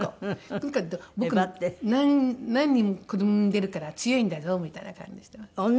この子は何人も子ども産んでるから強いんだぞみたいな感じしてます。